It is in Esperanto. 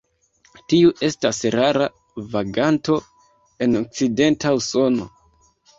Tiu estas rara vaganto en okcidenta Usono.